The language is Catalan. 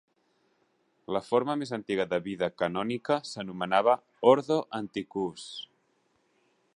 La forma més antiga de vida canònica s'anomenava "Ordo Antiquus".